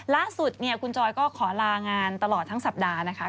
ล่าสุดเนี่ยคุณจอยก็ขอลางานตลอดทั้งสัปดาห์นะคะ